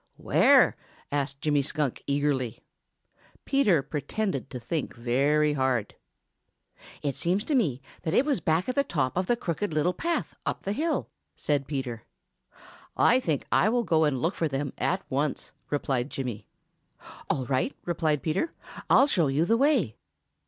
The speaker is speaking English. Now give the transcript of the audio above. "Where?" asked Jimmy Skunk eagerly. Peter pretended to think very hard. "It seems to me that it was back at the top of the Crooked Little Path up the hill," said Peter. "I think I will go look for them at once," replied Jimmy. "All right," replied Peter, "I'll show you the way."